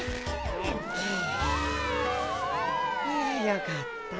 よかった。